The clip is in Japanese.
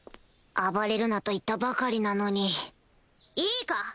暴れるなと言ったばかりなのにいいか？